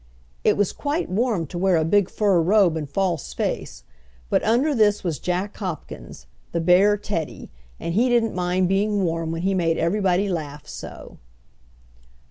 It was quite warm to wear a big fur robe and false face, but under this was Jack Hopkins, the bear Teddy, and he didn't mind being warm when he made everybody laugh so.